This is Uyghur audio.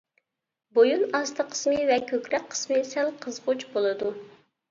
بويۇن ئاستى قىسمى ۋە كۆكرەك قىسمى سەل قىزغۇچ بولىدۇ.